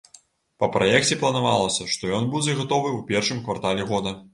Па праекце планавалася, што ён будзе гатовы ў першым квартале года.